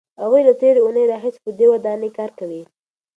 هغوی له تېرې اوونۍ راهیسې په دې ودانۍ کار کوي.